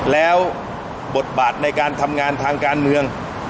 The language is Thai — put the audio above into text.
แล้วบทบาทในการทำงานทางการเมือง